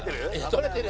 「撮れてる？」